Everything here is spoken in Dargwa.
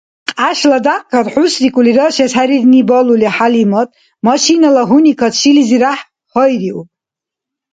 Кьяшла дякькад хӀусрикӀули рашес хӀерирни балули, ХӀялимат машинала гьуникад шилизиряхӀ гьайриуб.